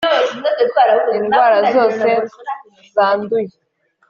indwara zose zanduye.